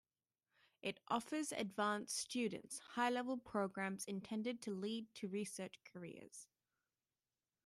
It offers advanced students high-level programs intended to lead to research careers.